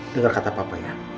dengar kata papa ya